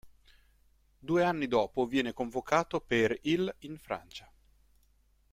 Due anni dopo viene convocato per il in Francia.